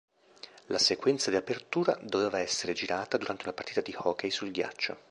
La sequenza di apertura doveva essere girata durante una partita di hockey su ghiaccio.